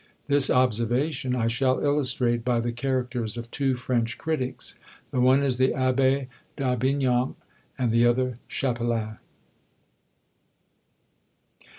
This observation I shall illustrate by the characters of two French critics; the one is the Abbé d'Aubignac, and the other Chapelain.